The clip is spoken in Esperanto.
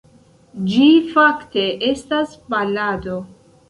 Ĝi fakte estas balado.